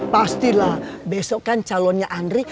pastilah besok kan calonnya andri